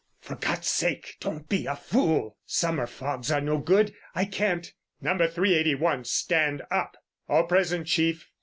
"For God's sake, don't be a fool! Summer fogs are no good, I can't——" "No. 381, stand up! All present, chief."